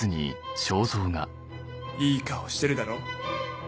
いい顔してるだろ？